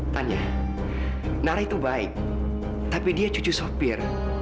tanya nara itu baik tapi dia cucu sopir